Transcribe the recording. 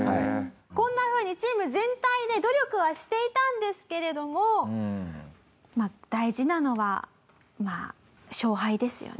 こんなふうにチーム全体で努力はしていたんですけれどもまあ大事なのは勝敗ですよね。